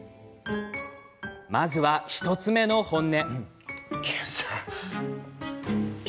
まずは、１つ目の本音。